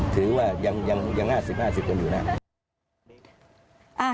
ถือว่ายังห้าสิบห้าสิบคนอยู่นะครับ